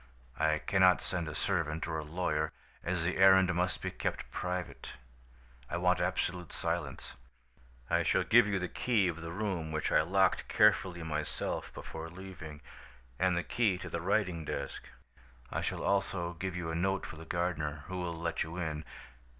I cannot send a servant or a lawyer, as the errand must be kept private. I want absolute silence. "'I shall give you the key of the room, which I locked carefully myself before leaving, and the key to the writing desk. I shall also give you a note for the gardener, who will let you in.